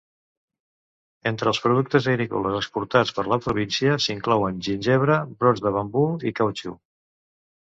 Entre els productes agrícoles exportats per la província s'inclouen gingebre, brots de bambú i cautxú.